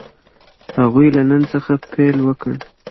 هغوی له نن څخه پيل وکړ.